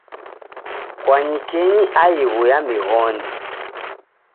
Kwanyikenyi aighu ya mighodi